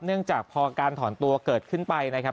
เนื่องจากพอการถอนตัวเกิดขึ้นไปนะครับ